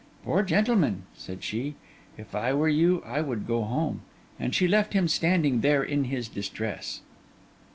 'Poor gentleman!' said she. 'If I were you, I would go home.' And she left him standing there in his distress.